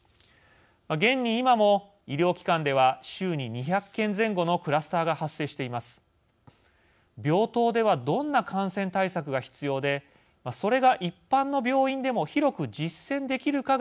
現に今も、医療機関では週に２００件前後のクラスターが発生しています。